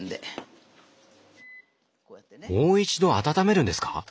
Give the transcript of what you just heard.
もう一度温めるんですか？